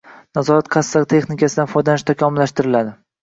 Nazorat-kassa texnikasidan foydalanish takomillashtiriladi